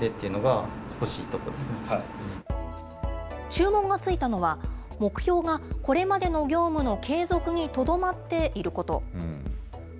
注文がついたのは、目標が、これまでの業務の継続にとどまっていること。